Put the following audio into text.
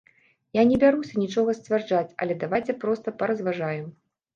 Я не бяруся нічога сцвярджаць, але давайце проста паразважаем.